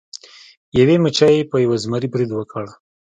یوې مچۍ په یو زمري برید وکړ.